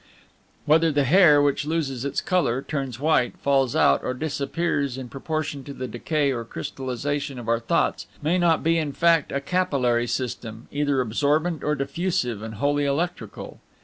Whether the hair, which loses its color, turns white, falls out, or disappears, in proportion to the decay or crystallization of our thoughts, may not be in fact a capillary system, either absorbent or diffusive, and wholly electrical?